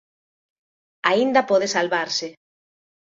Aínda pode salvarse.